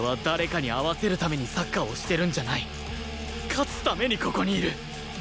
勝つためにここにいる！